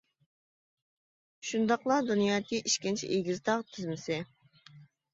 شۇنداقلا دۇنيادىكى ئىككىنچى ئېگىز تاغ تىزمىسى.